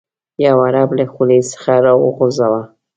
یو عرب له خولې څخه راوغورځاوه.